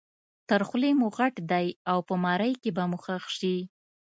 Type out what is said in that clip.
تر خولې مو غټ دی او په مرۍ کې به مو ښخ شي.